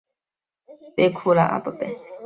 大空直美为日本女性声优。